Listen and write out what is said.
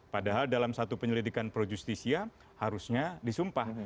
padahal dalam satu penyelidikan projustisia harusnya disumpah